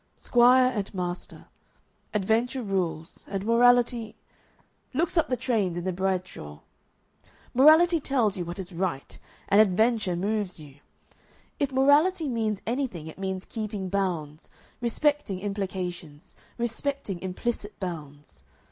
Squire and master. Adventure rules, and morality looks up the trains in the Bradshaw. Morality tells you what is right, and adventure moves you. If morality means anything it means keeping bounds, respecting implications, respecting implicit bounds.